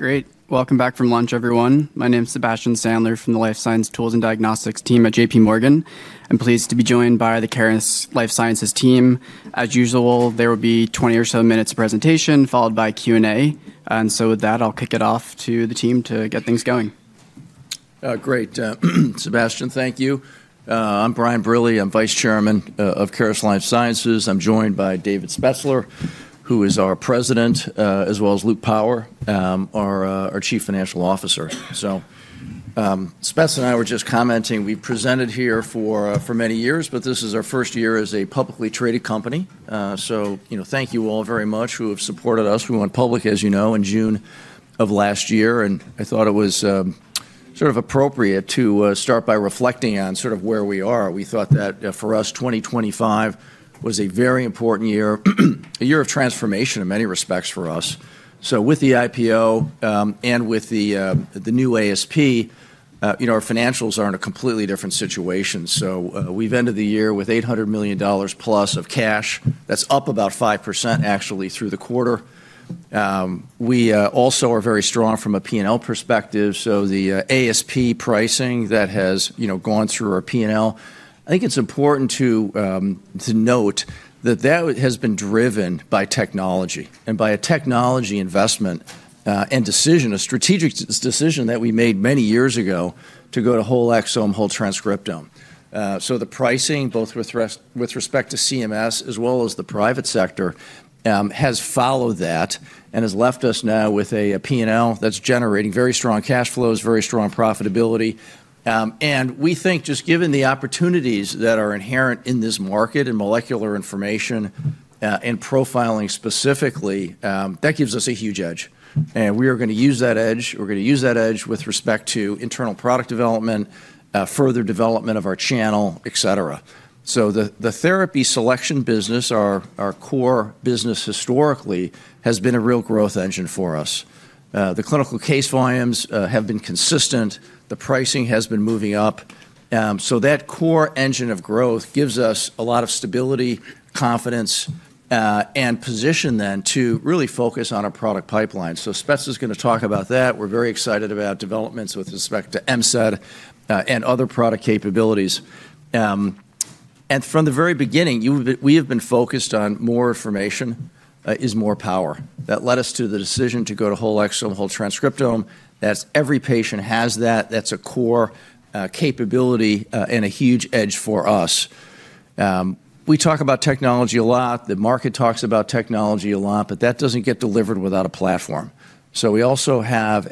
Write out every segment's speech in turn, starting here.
Great. Welcome back from lunch, everyone. My name is Sebastian Sandler from the Life Sciences Tools and Diagnostics team at JPMorgan. I'm pleased to be joined by the Caris Life Sciences team. As usual, there will be 20 or so minutes of presentation followed by Q&A. And so with that, I'll kick it off to the team to get things going. Great. Sebastian, thank you. I'm Brian Brille. I'm Vice Chairman of Caris Life Sciences. I'm joined by David Spetzler, who is our President, as well as Luke Power, our Chief Financial Officer, so Spetzler and I were just commenting. We've presented here for many years, but this is our first year as a publicly traded company, so thank you all very much who have supported us. We went public, as you know, in June of last year, and I thought it was sort of appropriate to start by reflecting on sort of where we are. We thought that for us, 2025 was a very important year, a year of transformation in many respects for us, so with the IPO and with the new ASP, our financials are in a completely different situation, so we've ended the year with $800 million plus of cash. That's up about 5%, actually, through the quarter. We also are very strong from a P&L perspective. So the ASP pricing that has gone through our P&L, I think it's important to note that that has been driven by technology and by a technology investment and decision, a strategic decision that we made many years ago to go to whole exome, whole transcriptome. So the pricing, both with respect to CMS as well as the private sector, has followed that and has left us now with a P&L that's generating very strong cash flows, very strong profitability. And we think just given the opportunities that are inherent in this market and molecular information and profiling specifically, that gives us a huge edge. And we are going to use that edge. We're going to use that edge with respect to internal product development, further development of our channel, et cetera. The therapy selection business, our core business historically, has been a real growth engine for us. The clinical case volumes have been consistent. The pricing has been moving up. That core engine of growth gives us a lot of stability, confidence, and position then to really focus on our product pipeline. Spetzler is going to talk about that. We're very excited about developments with respect to MCED and other product capabilities. From the very beginning, we have been focused on more information is more power. That led us to the decision to go to whole exome, whole transcriptome. That's every patient has that. That's a core capability and a huge edge for us. We talk about technology a lot. The market talks about technology a lot, but that doesn't get delivered without a platform. So we also have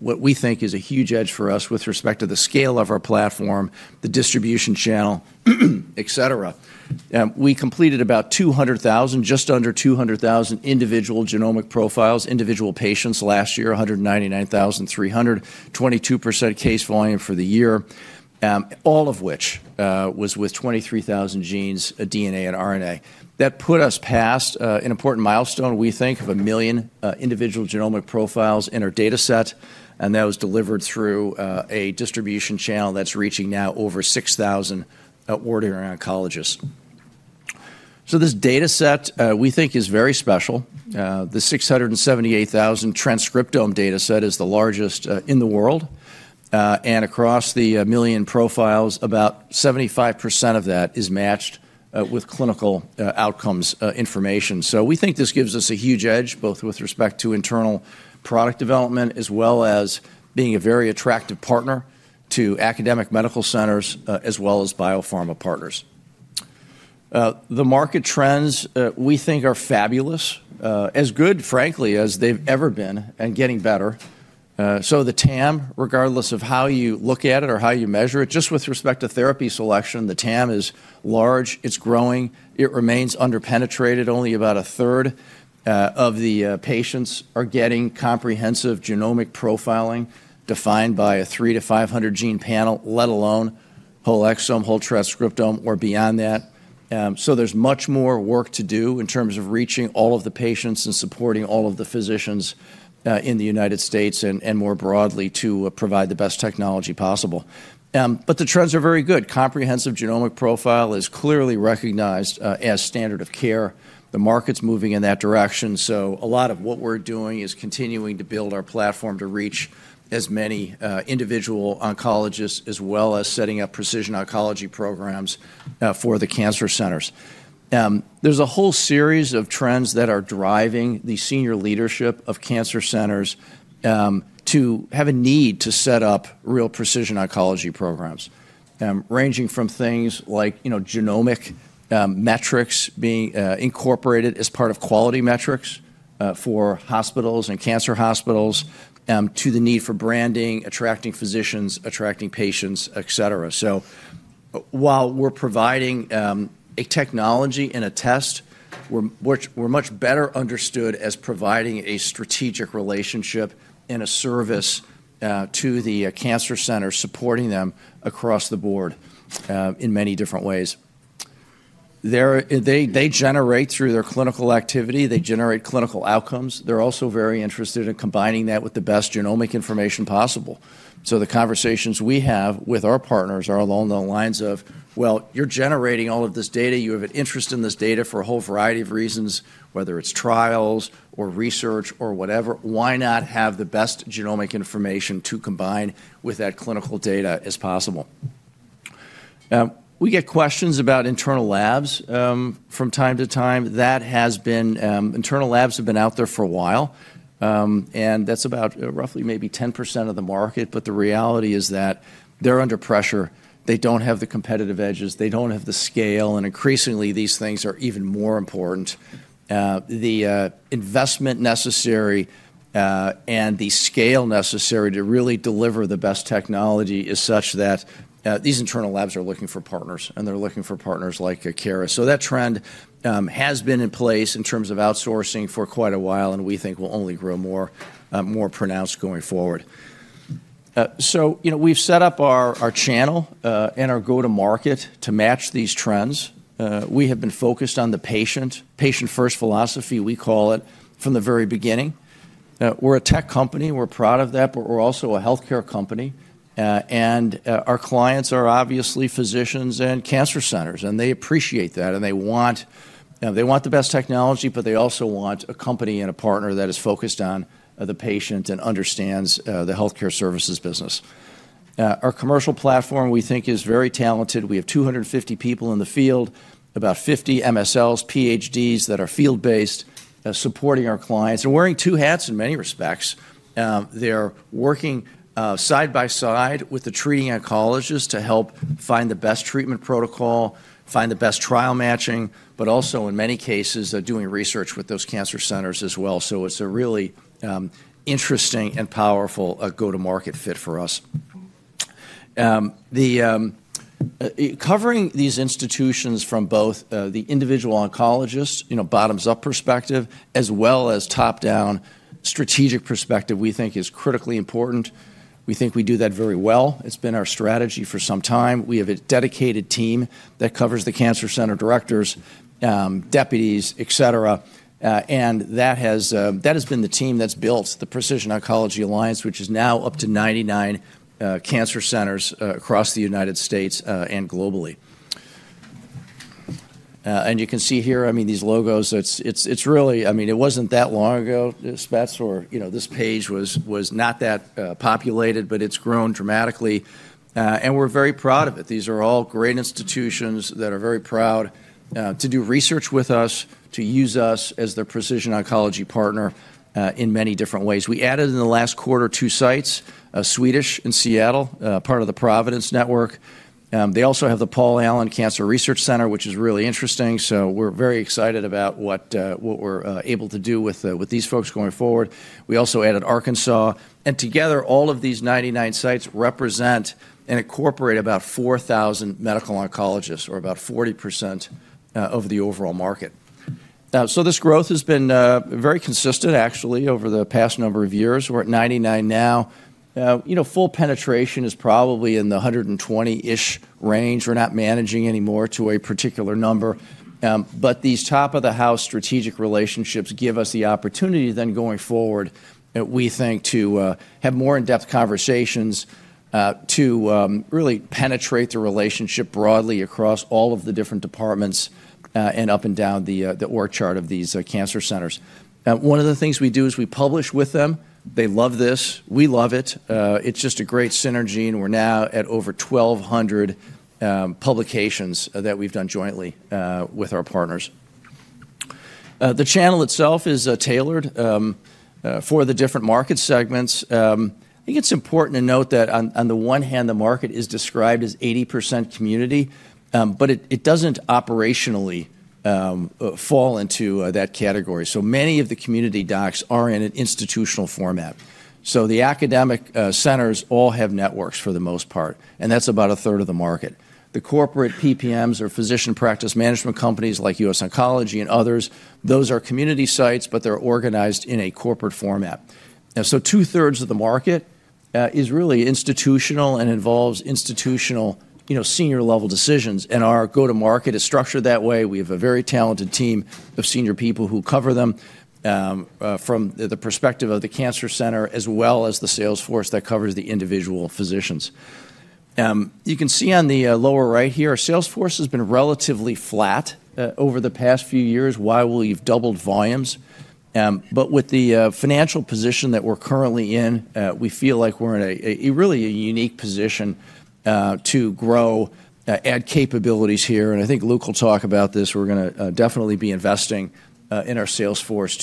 what we think is a huge edge for us with respect to the scale of our platform, the distribution channel, et cetera. We completed about 200,000, just under 200,000 individual genomic profiles, individual patients last year, 199,300, 22% case volume for the year, all of which was with 23,000 genes, a DNA and RNA. That put us past an important milestone, we think, of a million individual genomic profiles in our data set. And that was delivered through a distribution channel that's reaching now over 6,000 ordinary oncologists. So this data set, we think, is very special. The 678,000 transcriptome data set is the largest in the world. And across the million profiles, about 75% of that is matched with clinical outcomes information. So we think this gives us a huge edge, both with respect to internal product development as well as being a very attractive partner to academic medical centers as well as biopharma partners. The market trends, we think, are fabulous, as good, frankly, as they've ever been and getting better. So the TAM, regardless of how you look at it or how you measure it, just with respect to therapy selection, the TAM is large. It's growing. It remains underpenetrated. Only about a third of the patients are getting comprehensive genomic profiling defined by a 300-500 gene panel, let alone whole exome, whole transcriptome or beyond that. So there's much more work to do in terms of reaching all of the patients and supporting all of the physicians in the United States and more broadly to provide the best technology possible. But the trends are very good. Comprehensive genomic profile is clearly recognized as standard of care. The market's moving in that direction. So a lot of what we're doing is continuing to build our platform to reach as many individual oncologists as well as setting up precision oncology programs for the cancer centers. There's a whole series of trends that are driving the senior leadership of cancer centers to have a need to set up real precision oncology programs, ranging from things like genomic metrics being incorporated as part of quality metrics for hospitals and cancer hospitals to the need for branding, attracting physicians, attracting patients, et cetera. So while we're providing a technology and a test, we're much better understood as providing a strategic relationship and a service to the cancer center, supporting them across the board in many different ways. They generate through their clinical activity. They generate clinical outcomes. They're also very interested in combining that with the best genomic information possible. So the conversations we have with our partners are along the lines of, well, you're generating all of this data. You have an interest in this data for a whole variety of reasons, whether it's trials or research or whatever. Why not have the best genomic information to combine with that clinical data as possible? We get questions about internal labs from time to time. Internal labs have been out there for a while, and that's about roughly maybe 10% of the market, but the reality is that they're under pressure. They don't have the competitive edges. They don't have the scale, and increasingly, these things are even more important. The investment necessary and the scale necessary to really deliver the best technology is such that these internal labs are looking for partners, and they're looking for partners like Caris. So that trend has been in place in terms of outsourcing for quite a while, and we think will only grow more pronounced going forward. So we've set up our channel and our go-to-market to match these trends. We have been focused on the patient-first philosophy, we call it, from the very beginning. We're a tech company. We're proud of that. But we're also a healthcare company. And our clients are obviously physicians and cancer centers. And they appreciate that. And they want the best technology, but they also want a company and a partner that is focused on the patient and understands the healthcare services business. Our commercial platform, we think, is very talented. We have 250 people in the field, about 50 MSLs, PhDs that are field-based, supporting our clients. They're wearing two hats in many respects. They're working side by side with the treating oncologists to help find the best treatment protocol, find the best trial matching, but also, in many cases, doing research with those cancer centers as well. So it's a really interesting and powerful go-to-market fit for us. Covering these institutions from both the individual oncologists, bottoms-up perspective, as well as top-down strategic perspective, we think, is critically important. We think we do that very well. It's been our strategy for some time. We have a dedicated team that covers the cancer center directors, deputies, et cetera, and that has been the team that's built the Precision Oncology Alliance, which is now up to 99 cancer centers across the United States and globally. And you can see here, I mean, these logos, it's really, I mean, it wasn't that long ago, Spetzler, this page was not that populated, but it's grown dramatically. And we're very proud of it. These are all great institutions that are very proud to do research with us, to use us as their precision oncology partner in many different ways. We added in the last quarter two sites, a Swedish in Seattle, part of the Providence Network. They also have the Paul Allen Cancer Research Center, which is really interesting. So we're very excited about what we're able to do with these folks going forward. We also added Arkansas. And together, all of these 99 sites represent and incorporate about 4,000 medical oncologists, or about 40% of the overall market. So this growth has been very consistent, actually, over the past number of years. We're at 99 now. Full penetration is probably in the 120-ish range. We're not managing anymore to a particular number. But these top-of-the-house strategic relationships give us the opportunity then, going forward, we think, to have more in-depth conversations to really penetrate the relationship broadly across all of the different departments and up and down the org chart of these cancer centers. One of the things we do is we publish with them. They love this. We love it. It's just a great synergy. And we're now at over 1,200 publications that we've done jointly with our partners. The channel itself is tailored for the different market segments. I think it's important to note that, on the one hand, the market is described as 80% community, but it doesn't operationally fall into that category. So many of the community docs are in an institutional format. So the academic centers all have networks for the most part. And that's about a third of the market. The corporate PPMs or physician practice management companies like US Oncology and others, those are community sites, but they're organized in a corporate format. So two-thirds of the market is really institutional and involves institutional senior-level decisions. And our go-to-market is structured that way. We have a very talented team of senior people who cover them from the perspective of the cancer center as well as the salesforce that covers the individual physicians. You can see on the lower right here, our salesforce has been relatively flat over the past few years while we've doubled volumes. But with the financial position that we're currently in, we feel like we're in really a unique position to grow, add capabilities here. And I think Luke will talk about this. We're going to definitely be investing in our salesforce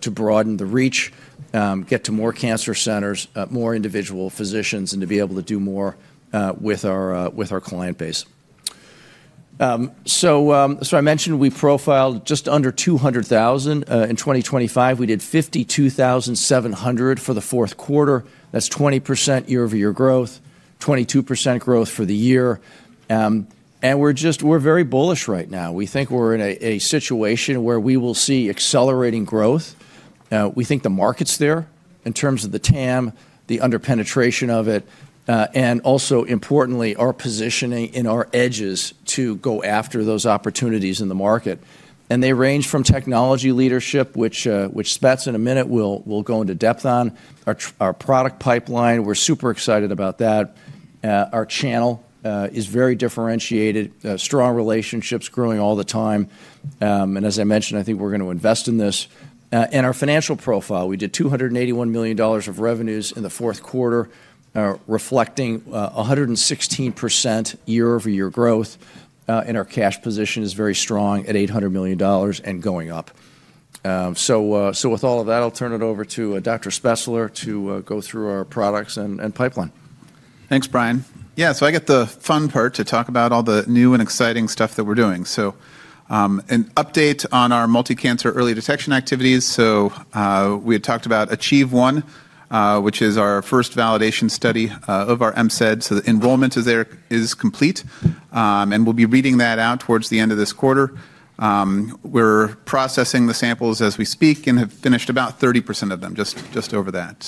to broaden the reach, get to more cancer centers, more individual physicians, and to be able to do more with our client base, so I mentioned we profiled just under 200,000. In 2025, we did 52,700 for the fourth quarter. That's 20% year-over-year growth, 22% growth for the year, and we're very bullish right now. We think we're in a situation where we will see accelerating growth. We think the market's there in terms of the TAM, the underpenetration of it, and also, importantly, our positioning in our edges to go after those opportunities in the market, and they range from technology leadership, which Spetzler in a minute will go into depth on, our product pipeline. We're super excited about that. Our channel is very differentiated, strong relationships growing all the time. As I mentioned, I think we're going to invest in this. Our financial profile, we did $281 million of revenues in the fourth quarter, reflecting 116% year-over-year growth. Our cash position is very strong at $800 million and going up. With all of that, I'll turn it over to Dr. Spetzler to go through our products and pipeline. Thanks, Brian. Yeah, so I get the fun part to talk about all the new and exciting stuff that we're doing. An update on our multi-cancer early detection activities. We had talked about AchieveOne, which is our first validation study of our MSED. The enrollment is complete. We'll be reading that out towards the end of this quarter. We're processing the samples as we speak and have finished about 30% of them, just over that.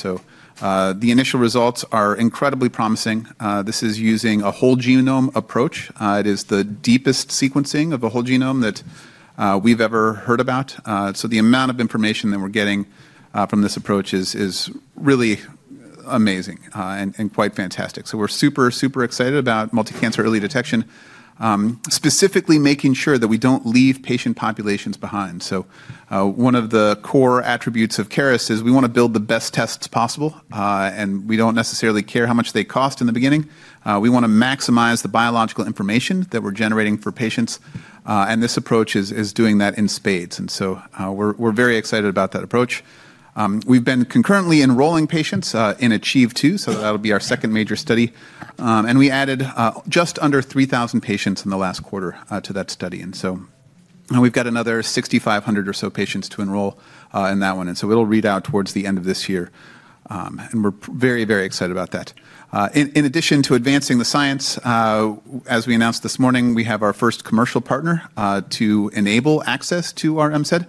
The initial results are incredibly promising. This is using a whole genome approach. It is the deepest sequencing of a whole genome that we've ever heard about. So the amount of information that we're getting from this approach is really amazing and quite fantastic. So we're super, super excited about multi-cancer early detection, specifically making sure that we don't leave patient populations behind. So one of the core attributes of Caris is we want to build the best tests possible. And we don't necessarily care how much they cost in the beginning. We want to maximize the biological information that we're generating for patients. And this approach is doing that in spades. And so we're very excited about that approach. We've been concurrently enrolling patients in AchieveTwo. So that'll be our second major study. And we added just under 3,000 patients in the last quarter to that study. And so we've got another 6,500 or so patients to enroll in that one. And so it'll read out towards the end of this year. And we're very, very excited about that. In addition to advancing the science, as we announced this morning, we have our first commercial partner to enable access to our MCED.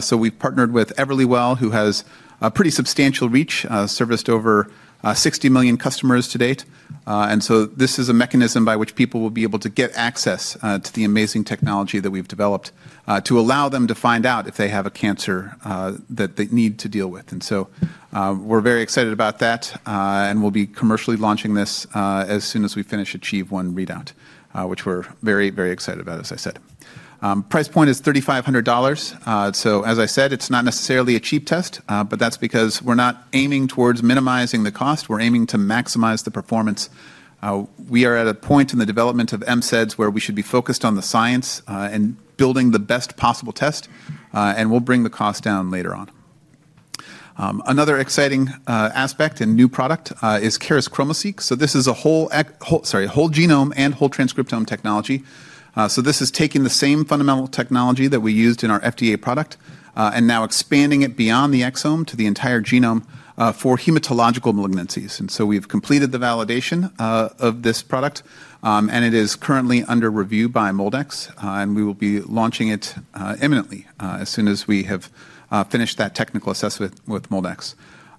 So we've partnered with Everlywell, who has a pretty substantial reach, serviced over 60 million customers to date. And so this is a mechanism by which people will be able to get access to the amazing technology that we've developed to allow them to find out if they have a cancer that they need to deal with. And so we're very excited about that. And we'll be commercially launching this as soon as we finish AchieveOne readout, which we're very, very excited about, as I said. Price point is $3,500. So as I said, it's not necessarily a cheap test. But that's because we're not aiming towards minimizing the cost. We're aiming to maximize the performance. We are at a point in the development of MSEDs where we should be focused on the science and building the best possible test. And we'll bring the cost down later on. Another exciting aspect and new product is Caris ChromaSeq. So this is a whole genome and whole transcriptome technology. So this is taking the same fundamental technology that we used in our FDA product and now expanding it beyond the exome to the entire genome for hematological malignancies. And so we've completed the validation of this product. And it is currently under review by MolDX. And we will be launching it imminently as soon as we have finished that technical assessment with MolDX.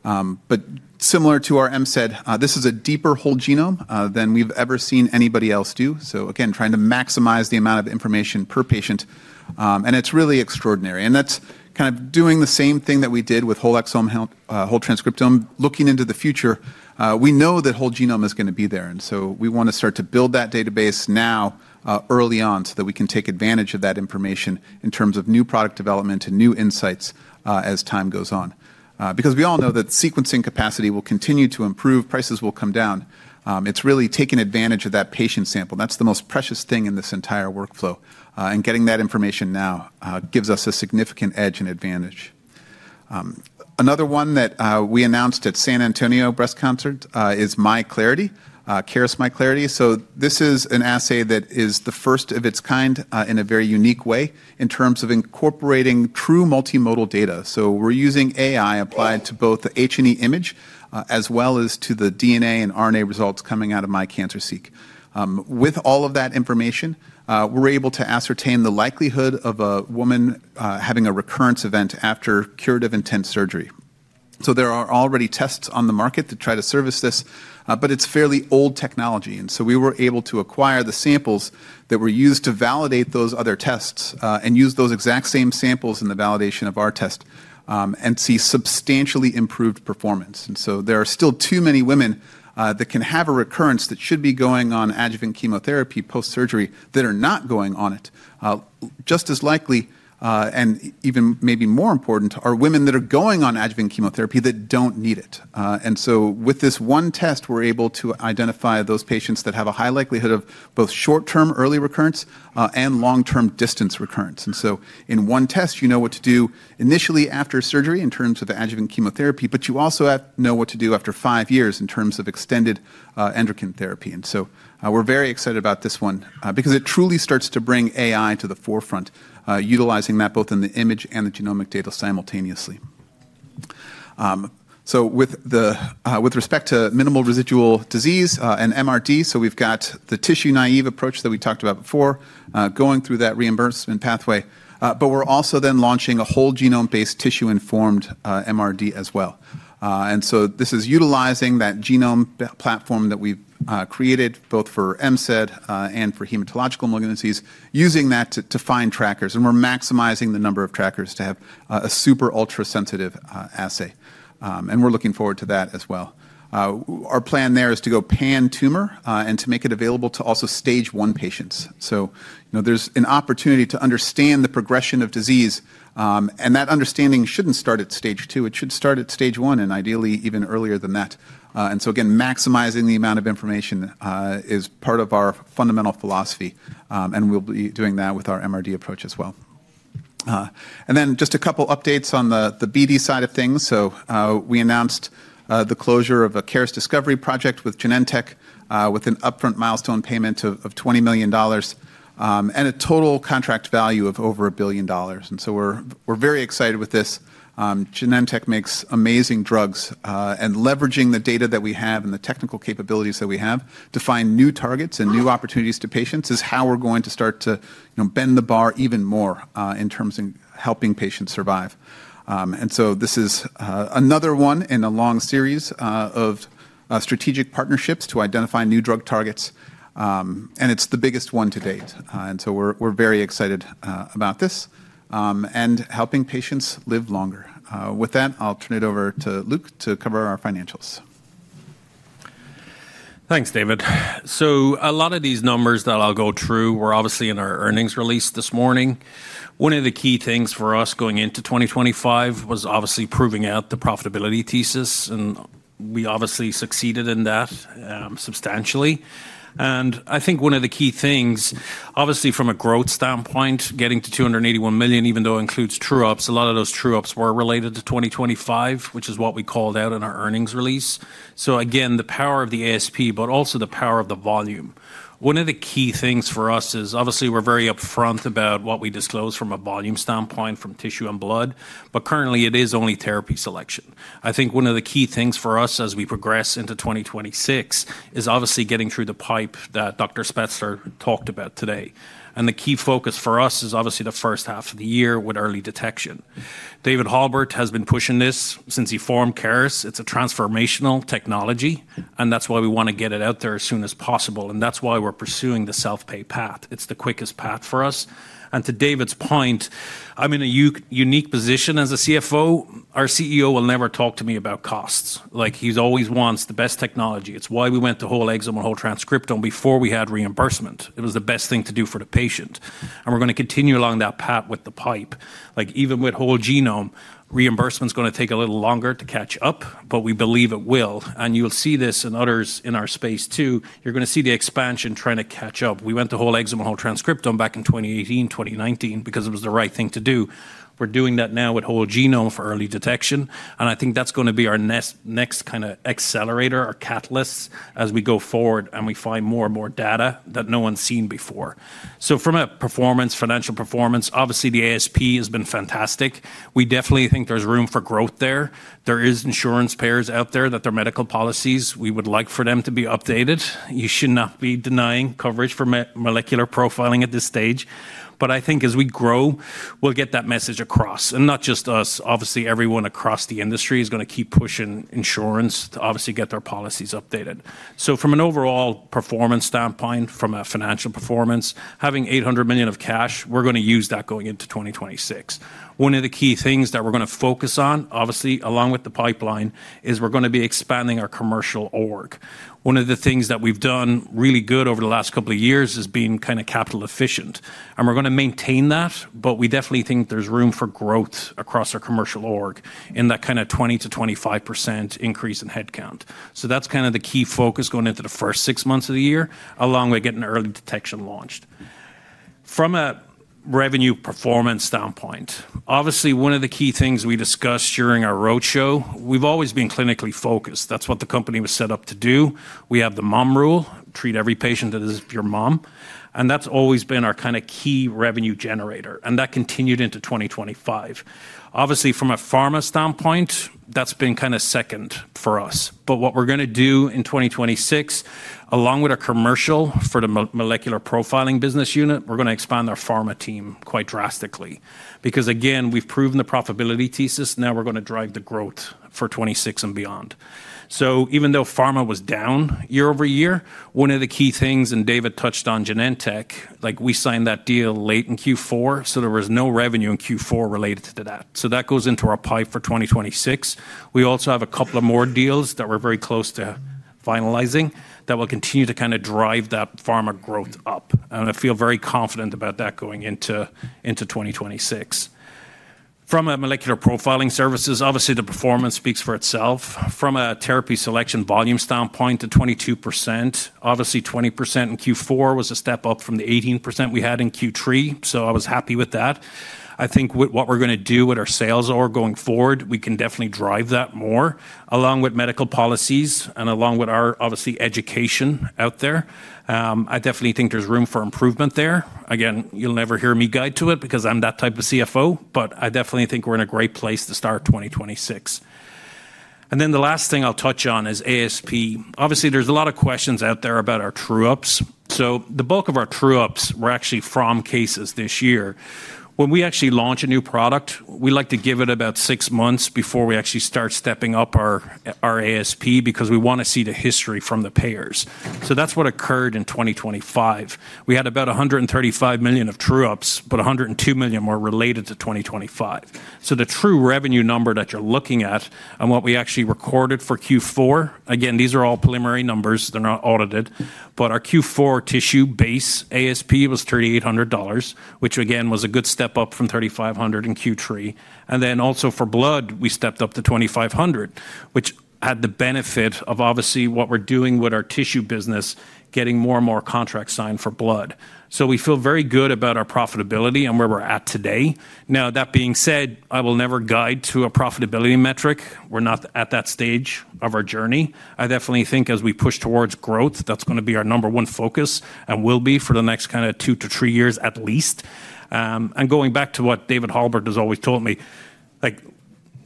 But similar to our MCED, this is a deeper whole genome than we've ever seen anybody else do. So again, trying to maximize the amount of information per patient. And it's really extraordinary. And that's kind of doing the same thing that we did with whole exome, whole transcriptome, looking into the future. We know that whole genome is going to be there. And so we want to start to build that database now early on so that we can take advantage of that information in terms of new product development and new insights as time goes on. Because we all know that sequencing capacity will continue to improve. Prices will come down. It's really taking advantage of that patient sample. And that's the most precious thing in this entire workflow. And getting that information now gives us a significant edge and advantage. Another one that we announced at San Antonio Breast Cancer is MI Clarity, Caris MI Clarity, so this is an assay that is the first of its kind in a very unique way in terms of incorporating true multimodal data, so we're using AI applied to both the H&E image as well as to the DNA and RNA results coming out of MI CancerSeq. With all of that information, we're able to ascertain the likelihood of a woman having a recurrence event after curative intent surgery, so there are already tests on the market to try to service this. But it's fairly old technology, and so we were able to acquire the samples that were used to validate those other tests and use those exact same samples in the validation of our test and see substantially improved performance. And so there are still too many women that can have a recurrence that should be going on adjuvant chemotherapy post-surgery that are not going on it. Just as likely, and even maybe more important, are women that are going on adjuvant chemotherapy that don't need it. And so with this one test, we're able to identify those patients that have a high likelihood of both short-term early recurrence and long-term distant recurrence. And so in one test, you know what to do initially after surgery in terms of adjuvant chemotherapy. But you also know what to do after five years in terms of extended endocrine therapy. And so we're very excited about this one because it truly starts to bring AI to the forefront, utilizing that both in the image and the genomic data simultaneously. With respect to minimal residual disease and MRD, we've got the tissue naive approach that we talked about before going through that reimbursement pathway. But we're also then launching a whole genome-based tissue-informed MRD as well. And so this is utilizing that genome platform that we've created both for MSED and for hematological malignancies, using that to find trackers. And we're maximizing the number of trackers to have a super ultra-sensitive assay. And we're looking forward to that as well. Our plan there is to go pan tumor and to make it available to also stage one patients. So there's an opportunity to understand the progression of disease. And that understanding shouldn't start at stage two. It should start at stage one and ideally even earlier than that. And so again, maximizing the amount of information is part of our fundamental philosophy. We'll be doing that with our MRD approach as well. Then just a couple of updates on the BD side of things. We announced the closure of a Caris Discovery project with Genentech with an upfront milestone payment of $20 million and a total contract value of over $1 billion. We're very excited with this. Genentech makes amazing drugs. Leveraging the data that we have and the technical capabilities that we have to find new targets and new opportunities to patients is how we're going to start to bend the bar even more in terms of helping patients survive. This is another one in a long series of strategic partnerships to identify new drug targets. It's the biggest one to date. We're very excited about this and helping patients live longer. With that, I'll turn it over to Luke to cover our financials. Thanks, David. So a lot of these numbers that I'll go through were obviously in our earnings release this morning. One of the key things for us going into 2025 was obviously proving out the profitability thesis, and we obviously succeeded in that substantially, and I think one of the key things, obviously from a growth standpoint, getting to $281 million, even though it includes true-ups, a lot of those true-ups were related to 2025, which is what we called out in our earnings release, so again, the power of the ASP, but also the power of the volume. One of the key things for us is obviously we're very upfront about what we disclose from a volume standpoint from tissue and blood, but currently, it is only therapy selection. I think one of the key things for us as we progress into 2026 is obviously getting through the pipe that Dr. Spetzler talked about today. And the key focus for us is obviously the first half of the year with early detection. David Halbert has been pushing this since he formed Caris. It's a transformational technology. And that's why we want to get it out there as soon as possible. And that's why we're pursuing the self-pay path. It's the quickest path for us. And to David's point, I'm in a unique position as a CFO. Our CEO will never talk to me about costs. He always wants the best technology. It's why we went to whole exome and whole transcriptome before we had reimbursement. It was the best thing to do for the patient. And we're going to continue along that path with the pipe. Even with whole genome, reimbursement is going to take a little longer to catch up. But we believe it will. And you'll see this in others in our space too. You're going to see the expansion trying to catch up. We went to whole exome and whole transcriptome back in 2018, 2019 because it was the right thing to do. We're doing that now with whole genome for early detection. And I think that's going to be our next kind of accelerator or catalyst as we go forward and we find more and more data that no one's seen before. So from a performance, financial performance, obviously the ASP has been fantastic. We definitely think there's room for growth there. There are insurance payers out there that their medical policies, we would like for them to be updated. You should not be denying coverage for molecular profiling at this stage. I think as we grow, we'll get that message across. And not just us, obviously everyone across the industry is going to keep pushing insurance to obviously get their policies updated. So from an overall performance standpoint, from a financial performance, having $800 million in cash, we're going to use that going into 2026. One of the key things that we're going to focus on, obviously along with the pipeline, is we're going to be expanding our commercial org. One of the things that we've done really good over the last couple of years is being kind of capital efficient. And we're going to maintain that. But we definitely think there's room for growth across our commercial org in that kind of 20%-25% increase in headcount. So that's kind of the key focus going into the first six months of the year along with getting early detection launched. From a revenue performance standpoint, obviously one of the key things we discussed during our roadshow, we've always been clinically focused. That's what the company was set up to do. We have the mom rule, treat every patient as your mom. And that's always been our kind of key revenue generator. And that continued into 2025. Obviously, from a pharma standpoint, that's been kind of second for us. But what we're going to do in 2026, along with our commercial for the molecular profiling business unit, we're going to expand our pharma team quite drastically. Because again, we've proven the profitability thesis. Now we're going to drive the growth for 2026 and beyond. Even though pharma was down year over year, one of the key things, and David touched on Genentech, we signed that deal late in Q4. So there was no revenue in Q4 related to that. So that goes into our pipe for 2026. We also have a couple of more deals that we're very close to finalizing that will continue to kind of drive that pharma growth up. And I feel very confident about that going into 2026. From a molecular profiling services, obviously the performance speaks for itself. From a therapy selection volume standpoint, the 22%, obviously 20% in Q4 was a step up from the 18% we had in Q3. So I was happy with that. I think what we're going to do with our sales org going forward, we can definitely drive that more along with medical policies and along with our obviously education out there. I definitely think there's room for improvement there. Again, you'll never hear me guide to it because I'm that type of CFO. But I definitely think we're in a great place to start 2026. And then the last thing I'll touch on is ASP. Obviously, there's a lot of questions out there about our true-ups. So the bulk of our true-ups were actually from cases this year. When we actually launch a new product, we like to give it about six months before we actually start stepping up our ASP because we want to see the history from the payers. So that's what occurred in 2025. We had about $135 million of true-ups, but $102 million were related to 2025. So the true revenue number that you're looking at and what we actually recorded for Q4, again, these are all preliminary numbers. They're not audited. But our Q4 tissue base ASP was $3,800, which again was a good step up from $3,500 in Q3. And then also for blood, we stepped up to $2,500, which had the benefit of obviously what we're doing with our tissue business, getting more and more contracts signed for blood. So we feel very good about our profitability and where we're at today. Now, that being said, I will never guide to a profitability metric. We're not at that stage of our journey. I definitely think as we push towards growth, that's going to be our number one focus and will be for the next kind of two to three years at least. And going back to what David Halbert has always told me,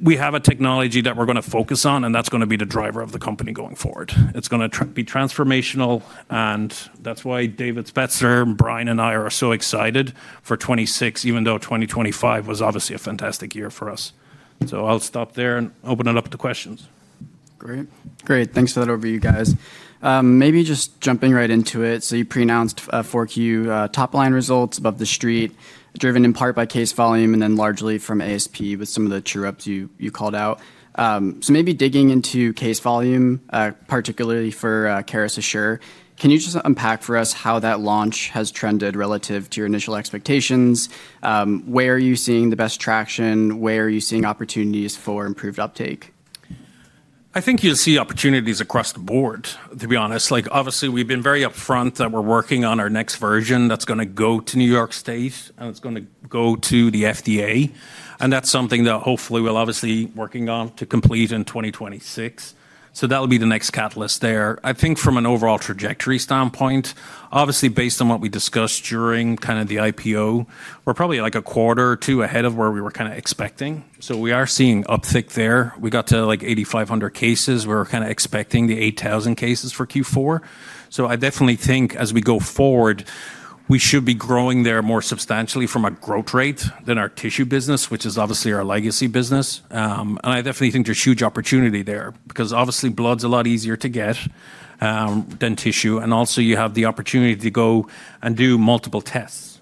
we have a technology that we're going to focus on, and that's going to be the driver of the company going forward. It's going to be transformational. And that's why David Spetzler, Brian and I are so excited for 2026, even though 2025 was obviously a fantastic year for us. So I'll stop there and open it up to questions. Great. Great. Thanks for that overview, guys. Maybe just jumping right into it. So you pre-announced 4Q top line results above the street, driven in part by case volume and then largely from ASP with some of the true-ups you called out. So maybe digging into case volume, particularly for Caris Assure, can you just unpack for us how that launch has trended relative to your initial expectations? Where are you seeing the best traction? Where are you seeing opportunities for improved uptake? I think you'll see opportunities across the board, to be honest. Obviously, we've been very upfront that we're working on our next version that's going to go to New York State, and it's going to go to the FDA, and that's something that hopefully we'll obviously be working on to complete in 2026, so that will be the next catalyst there. I think from an overall trajectory standpoint, obviously based on what we discussed during kind of the IPO, we're probably like a quarter or two ahead of where we were kind of expecting, so we are seeing uptick there. We got to like 8,500 cases. We were kind of expecting the 8,000 cases for Q4, so I definitely think as we go forward, we should be growing there more substantially from a growth rate than our tissue business, which is obviously our legacy business. And I definitely think there's huge opportunity there because obviously blood's a lot easier to get than tissue. And also you have the opportunity to go and do multiple tests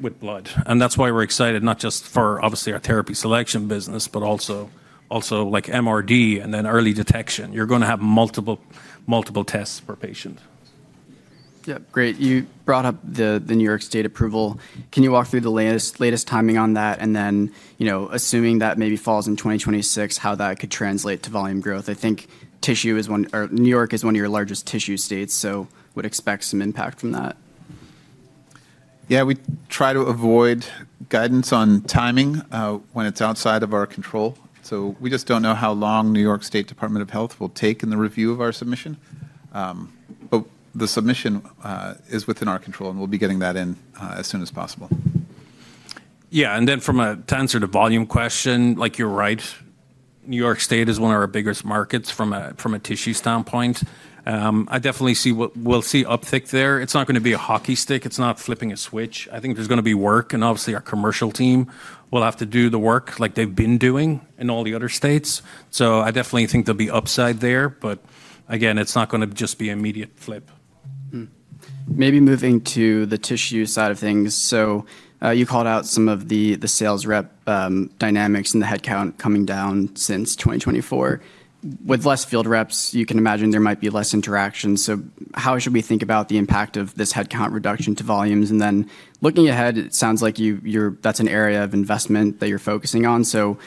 with blood. And that's why we're excited, not just for obviously our therapy selection business, but also like MRD and then early detection. You're going to have multiple tests per patient. Yeah. Great. You brought up the New York State approval. Can you walk through the latest timing on that? And then assuming that maybe falls in 2026, how that could translate to volume growth? I think New York is one of your largest tissue states, so we would expect some impact from that. Yeah. We try to avoid guidance on timing when it's outside of our control. So we just don't know how long New York State Department of Health will take in the review of our submission. But the submission is within our control, and we'll be getting that in as soon as possible. Yeah. And then, to answer the volume question, like you're right, New York State is one of our biggest markets from a tissue standpoint. I definitely see we'll see uptick there. It's not going to be a hockey stick. It's not flipping a switch. I think there's going to be work. And obviously our commercial team will have to do the work like they've been doing in all the other states. So I definitely think there'll be upside there. But again, it's not going to just be an immediate flip. Maybe moving to the tissue side of things. So you called out some of the sales rep dynamics and the headcount coming down since 2024. With less field reps, you can imagine there might be less interaction. So how should we think about the impact of this headcount reduction to volumes? And then looking ahead, it sounds like that's an area of investment that you're focusing on. So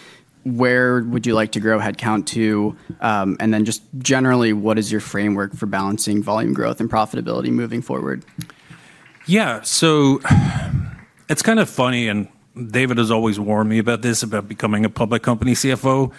where would you like to grow headcount to? And then just generally, what is your framework for balancing volume growth and profitability moving forward? Yeah. So it's kind of funny, and David has always warned me about this, about becoming a public company CFO.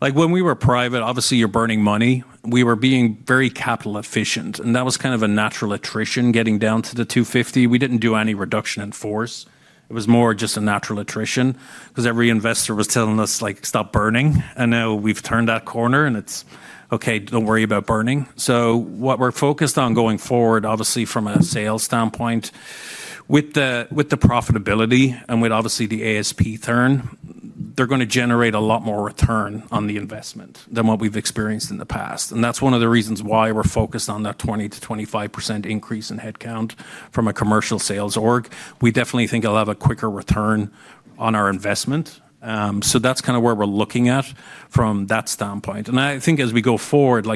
When we were private, obviously you're burning money. We were being very capital efficient. And that was kind of a natural attrition getting down to the 250. We didn't do any reduction in force. It was more just a natural attrition because every investor was telling us like, "Stop burning." And now we've turned that corner and it's, "Okay, don't worry about burning." So what we're focused on going forward, obviously from a sales standpoint, with the profitability and with obviously the ASP turn, they're going to generate a lot more return on the investment than what we've experienced in the past. And that's one of the reasons why we're focused on that 20%-25% increase in headcount from a commercial sales org. We definitely think it'll have a quicker return on our investment. So that's kind of where we're looking at from that standpoint. And I think as we go forward,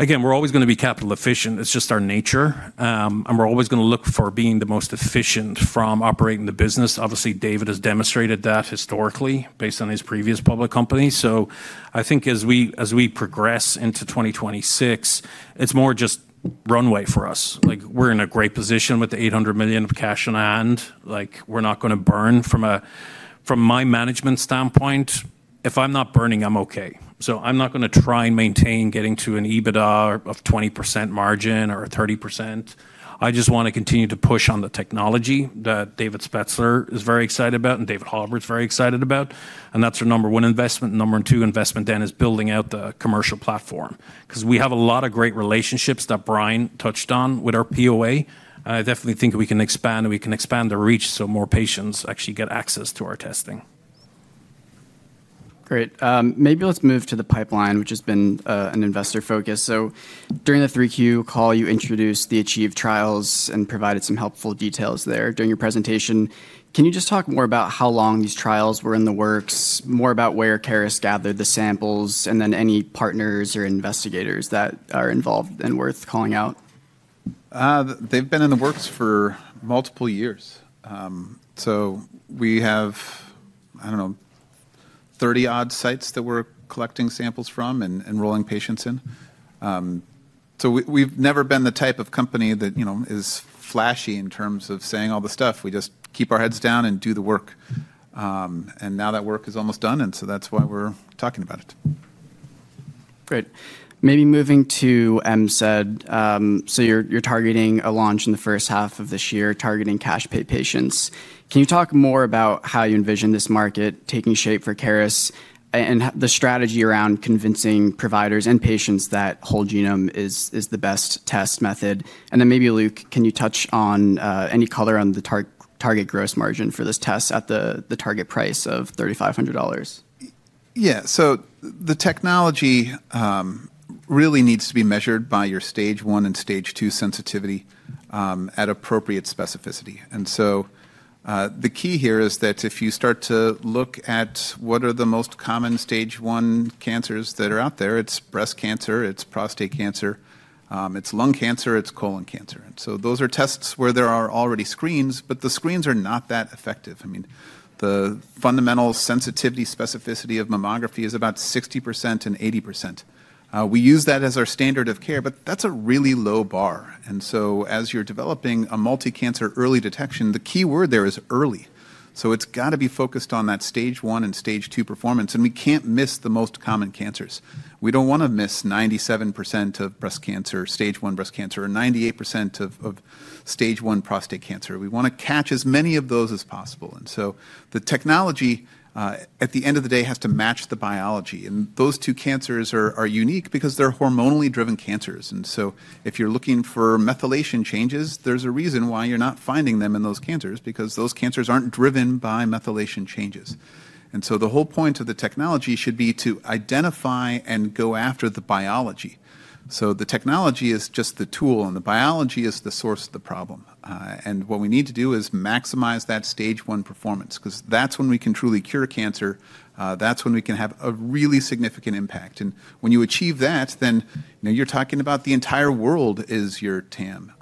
again, we're always going to be capital efficient. It's just our nature. And we're always going to look for being the most efficient from operating the business. Obviously, David has demonstrated that historically based on his previous public company. So I think as we progress into 2026, it's more just runway for us. We're in a great position with the $800 million of cash on hand. We're not going to burn from my management standpoint. If I'm not burning, I'm okay. So I'm not going to try and maintain getting to an EBITDA of 20% margin or 30%. I just want to continue to push on the technology that David Spetzler is very excited about and David Halbert's very excited about. That's our number one investment. Our number two investment then is building out the commercial platform because we have a lot of great relationships that Brian touched on with our POA. I definitely think we can expand the reach so more patients actually get access to our testing. Great. Maybe let's move to the pipeline, which has been an investor focus. So during the three Q call, you introduced the Achieve trials and provided some helpful details there during your presentation. Can you just talk more about how long these trials were in the works, more about where Caris gathered the samples, and then any partners or investigators that are involved and worth calling out? They've been in the works for multiple years. So we have, I don't know, 30 odd sites that we're collecting samples from and enrolling patients in. So we've never been the type of company that is flashy in terms of saying all the stuff. We just keep our heads down and do the work. And now that work is almost done. And so that's why we're talking about it. Great. Maybe moving to MZ. So you're targeting a launch in the first half of this year, targeting cash pay patients. Can you talk more about how you envision this market taking shape for Caris and the strategy around convincing providers and patients that whole genome is the best test method? And then maybe, Luke, can you touch on any color on the target gross margin for this test at the target price of $3,500? Yeah. So the technology really needs to be measured by your stage one and stage two sensitivity at appropriate specificity. And so the key here is that if you start to look at what are the most common stage one cancers that are out there, it's breast cancer, it's prostate cancer, it's lung cancer, it's colon cancer. And so those are tests where there are already screens, but the screens are not that effective. I mean, the fundamental sensitivity specificity of mammography is about 60% and 80%. We use that as our standard of care, but that's a really low bar. And so as you're developing a multi-cancer early detection, the key word there is early. So it's got to be focused on that stage one and stage two performance. And we can't miss the most common cancers. We don't want to miss 97% of breast cancer, stage one breast cancer, or 98% of stage one prostate cancer. We want to catch as many of those as possible. And so the technology at the end of the day has to match the biology. And those two cancers are unique because they're hormonally driven cancers. And so if you're looking for methylation changes, there's a reason why you're not finding them in those cancers because those cancers aren't driven by methylation changes. And so the whole point of the technology should be to identify and go after the biology. So the technology is just the tool and the biology is the source of the problem. And what we need to do is maximize that stage one performance because that's when we can truly cure cancer. That's when we can have a really significant impact. And when you achieve that, then you're talking about the entire world is your TAM.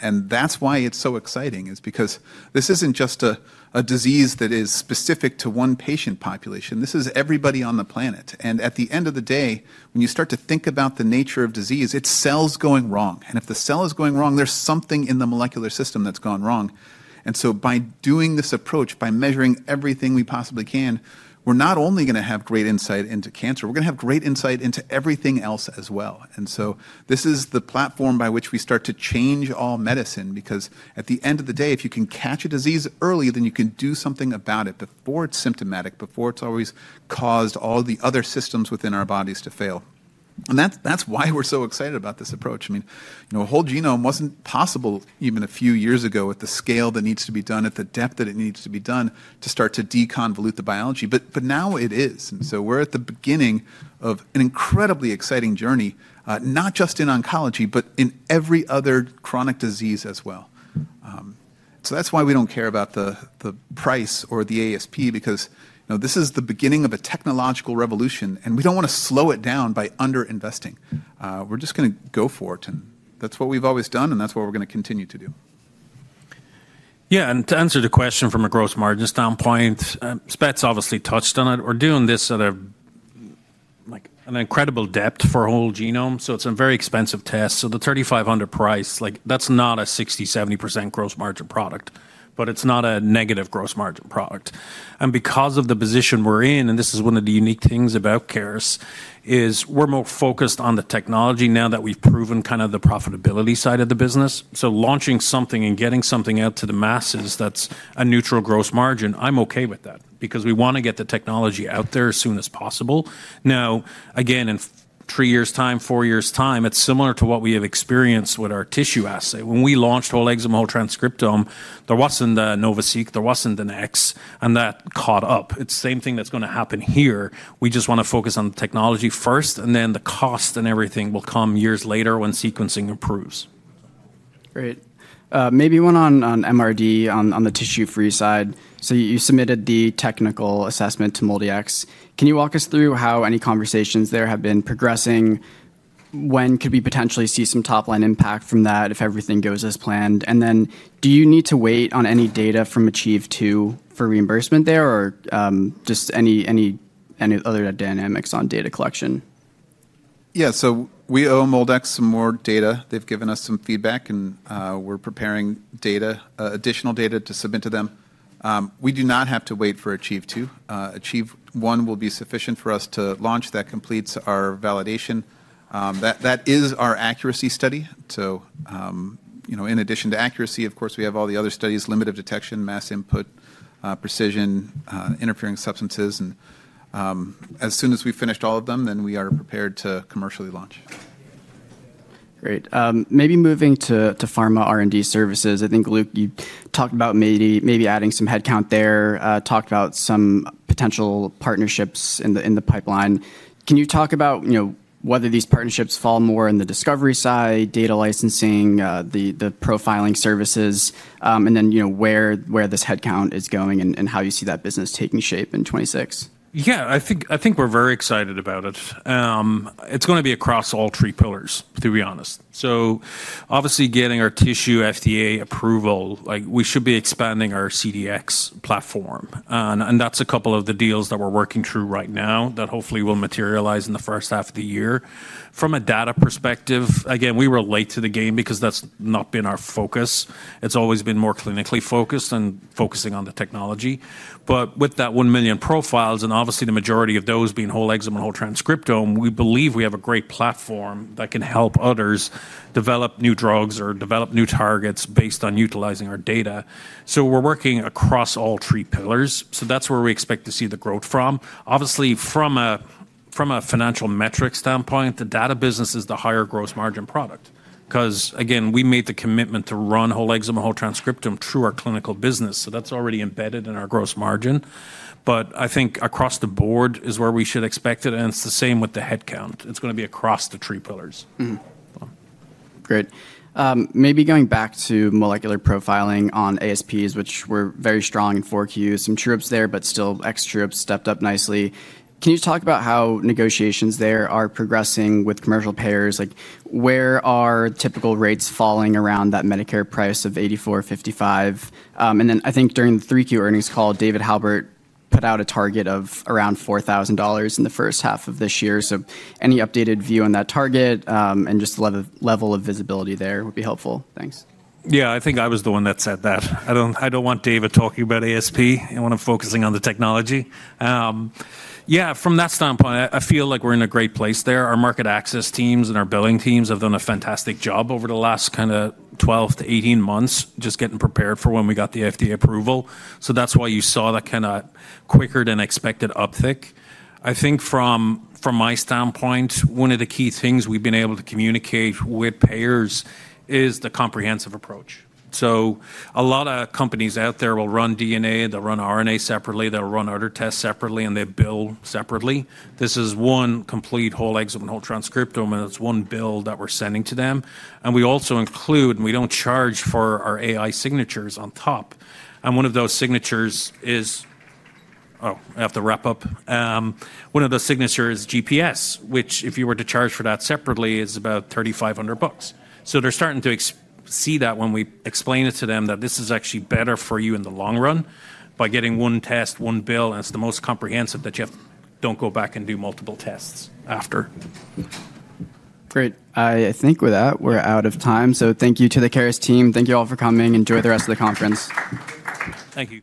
And that's why it's so exciting is because this isn't just a disease that is specific to one patient population. This is everybody on the planet. And at the end of the day, when you start to think about the nature of disease, it's cells going wrong. And if the cell is going wrong, there's something in the molecular system that's gone wrong. And so by doing this approach, by measuring everything we possibly can, we're not only going to have great insight into cancer, we're going to have great insight into everything else as well. And so this is the platform by which we start to change all medicine because at the end of the day, if you can catch a disease early, then you can do something about it before it's symptomatic, before it's always caused all the other systems within our bodies to fail. And that's why we're so excited about this approach. I mean, a whole genome wasn't possible even a few years ago at the scale that needs to be done, at the depth that it needs to be done to start to deconvolute the biology. But now it is. And so we're at the beginning of an incredibly exciting journey, not just in oncology, but in every other chronic disease as well. So that's why we don't care about the price or the ASP because this is the beginning of a technological revolution, and we don't want to slow it down by underinvesting. We're just going to go for it. And that's what we've always done, and that's what we're going to continue to do. Yeah. And to answer the question from a gross margin standpoint, Spetzler obviously touched on it. We're doing this at an incredible depth for a whole genome. So it's a very expensive test. So the $3,500 price, that's not a 60%, 70% gross margin product, but it's not a negative gross margin product. And because of the position we're in, and this is one of the unique things about Caris, is we're more focused on the technology now that we've proven kind of the profitability side of the business. So launching something and getting something out to the masses that's a neutral gross margin, I'm okay with that because we want to get the technology out there as soon as possible. Now, again, in three years' time, four years' time, it's similar to what we have experienced with our tissue assay. When we launched whole exome and whole transcriptome, there wasn't the NovaSeq, there wasn't the NextSeq, and that caught up. It's the same thing that's going to happen here. We just want to focus on the technology first, and then the cost and everything will come years later when sequencing improves. Great. Maybe one on MRD, on the tissue-free side. So you submitted the technical assessment to MolDX. Can you walk us through how any conversations there have been progressing? When could we potentially see some top-line impact from that if everything goes as planned? And then do you need to wait on any data from AchieveTwo for reimbursement there or just any other dynamics on data collection? Yeah, so we owe MolDX some more data. They've given us some feedback, and we're preparing additional data to submit to them. We do not have to wait for AchieveTwo. AchieveOne will be sufficient for us to launch. That completes our validation. That is our accuracy study, so in addition to accuracy, of course, we have all the other studies: limited detection, mass input, precision, interfering substances, and as soon as we've finished all of them, then we are prepared to commercially launch. Great. Maybe moving to Pharma R&D services. I think, Luke, you talked about maybe adding some headcount there, talked about some potential partnerships in the pipeline. Can you talk about whether these partnerships fall more in the discovery side, data licensing, the profiling services, and then where this headcount is going and how you see that business taking shape in 2026? Yeah. I think we're very excited about it. It's going to be across all three pillars, to be honest. So obviously getting our tissue FDA approval, we should be expanding our CDX platform. And that's a couple of the deals that we're working through right now that hopefully will materialize in the first half of the year. From a data perspective, again, we were late to the game because that's not been our focus. It's always been more clinically focused and focusing on the technology. But with that one million profiles and obviously the majority of those being whole exome and whole transcriptome, we believe we have a great platform that can help others develop new drugs or develop new targets based on utilizing our data. So we're working across all three pillars. So that's where we expect to see the growth from. Obviously, from a financial metric standpoint, the data business is the higher gross margin product because, again, we made the commitment to run Whole Exome and Whole Transcriptome through our clinical business. So that's already embedded in our gross margin. But I think across the board is where we should expect it. And it's the same with the headcount. It's going to be across the three pillars. Great. Maybe going back to molecular profiling on ASPs, which were very strong in four Qs, some true ups there, but still ex true ups stepped up nicely. Can you talk about how negotiations there are progressing with commercial payers? Where are typical rates falling around that Medicare price of $84.55? And then I think during the three Q earnings call, David Halbert put out a target of around $4,000 in the first half of this year. So any updated view on that target and just the level of visibility there would be helpful. Thanks. Yeah. I think I was the one that said that. I don't want David talking about ASP. I want to focus on the technology. Yeah. From that standpoint, I feel like we're in a great place there. Our market access teams and our billing teams have done a fantastic job over the last kind of 12 to 18 months just getting prepared for when we got the FDA approval. So that's why you saw that kind of quicker than expected uptick. I think from my standpoint, one of the key things we've been able to communicate with payers is the comprehensive approach. So a lot of companies out there will run DNA, they'll run RNA separately, they'll run other tests separately, and they bill separately. This is one complete whole exome and whole transcriptome, and it's one bill that we're sending to them. And we also include, and we don't charge for our AI signatures on top. And one of those signatures is, oh, I have to wrap up. One of those signatures is GPS, which if you were to charge for that separately, it's about $3,500. So they're starting to see that when we explain it to them that this is actually better for you in the long run by getting one test, one bill, and it's the most comprehensive that you don't go back and do multiple tests after. Great. I think with that, we're out of time. So thank you to the Caris team. Thank you all for coming. Enjoy the rest of the conference. Thank you.